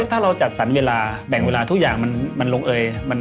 ถ้าเราจัดสรรเวลาแบ่งเวลาทุกอย่างมันลงเอย